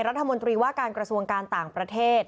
รัฐมนตรีว่าการกระทรวงการต่างประเทศ